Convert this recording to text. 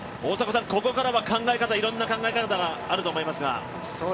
ここからはいろんな考え方があると思いますが。